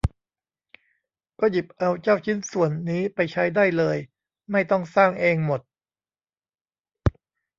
ก็หยิบเอาเจ้าชิ้นส่วนนี้ไปใช้ได้เลย ไม่ต้องสร้างเองหมด